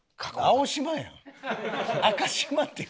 青島やん。